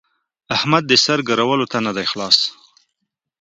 احمد د سر ګرولو ته نه دی خلاص.